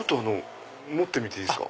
持ってみていいですか？